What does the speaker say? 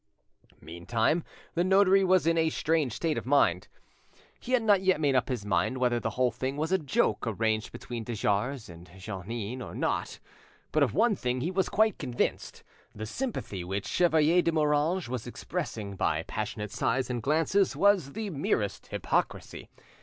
Meantime the notary was in a strange state of mind. He had not yet made up his mind whether the whole thing was a joke arranged between de Jars and Jeannin or not, but of one thing he was quite convinced, the sympathy which Chevalier de Moranges was expressing by passionate sighs and glances was the merest hypocrisy.